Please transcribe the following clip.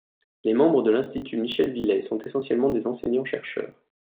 Les membres de l’Institut Michel-Villey sont essentiellement des enseignants-chercheurs.